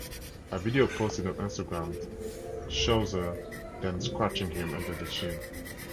A video posted on Instagram shows her then scratching him under the chin.